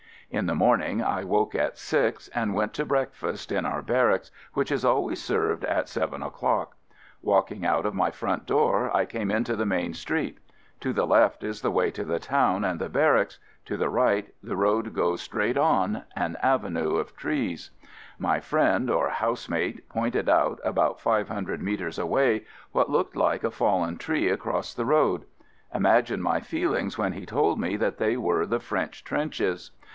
In the morning I woke at six and went to breakfast in our barracks, which is always served at seven o'clock. Walk ing out of my front door I came into the main street. To the left is the way to the town and the barracks — to the right FIELD SERVICE 5 the road goes straight on, an avenue of trees. My friend or housemate pointed out, about five hundred metres away, what looked like a fallen tree across the road. Imagine my feelings when he told me that they were the French trenches.